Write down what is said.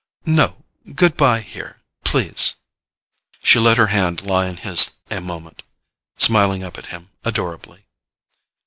"No; good bye here, please." She let her hand lie in his a moment, smiling up at him adorably.